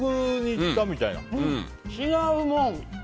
違うもん。